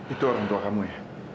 itu orang tua kamu ya